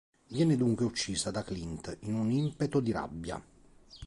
Viene dunque uccisa da Clint in un impeto di rabbia.